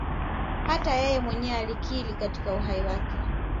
Hata yeye mwenyewe alikiri katika uhai wake